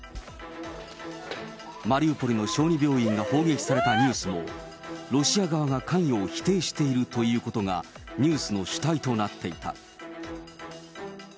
マリウポリの小児病院が砲撃されたニュースも、ロシア側が関与を否定しているということが、ニュースの主体となっていた。